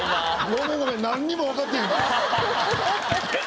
ごめんごめんなんにも分かってへんから。